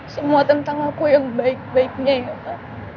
semua tentang aku yang baik baiknya ya